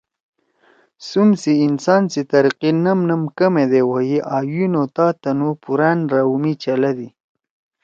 سُم سی انسان سی ترقی نم نم کمے دے ہوئی آں یُن او تا تنُو پُورأن رو می چلَدی